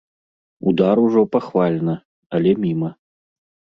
Удар ужо пахвальна, але міма.